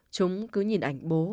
chúng cứ nhìn ảnh bố